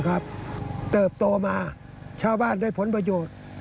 เติบโตมาชาวบ้านได้ผลประโยชน์